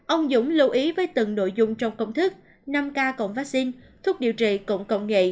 ông dũng lưu ý với từng nội dung trong công thức năm k cộng vaccine thuốc điều trị cộng công nghệ